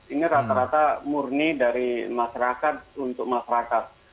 ini rata rata murni dari masyarakat untuk masyarakat